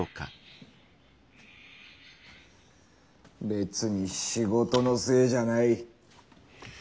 別に仕事のせいじゃない。